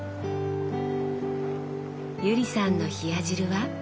友里さんの冷や汁は？